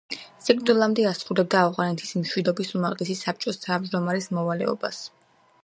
სიკვდილამდე ასრულებდა ავღანეთის მშვიდობის უმაღლესი საბჭოს თავმჯდომარის მოვალეობას.